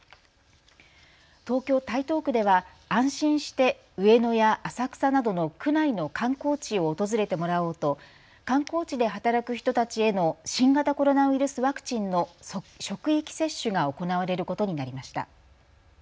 東京台東区では安心して上野や浅草などの区内の観光地を訪れてもらおうと観光地で働く人たちへの新型コロナウイルスワクチンの職域接種が行われることになりました。